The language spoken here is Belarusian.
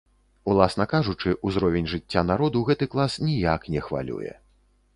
Уласна кажучы, узровень жыцця народу гэты клас ніяк не хвалюе.